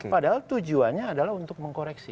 padahal tujuannya adalah untuk mengkoreksi